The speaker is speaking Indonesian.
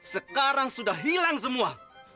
sekarang sudah hilang semua